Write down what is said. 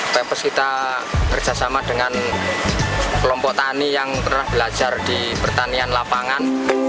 pepos kita kerjasama dengan kelompok tani yang pernah belajar di pertanian lapangan